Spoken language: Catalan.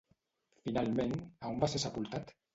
Finalment, a on va ser sepultat?